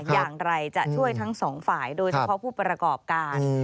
อย่างไรจะช่วยทั้งสองฝ่ายโดยเฉพาะผู้ประกอบการ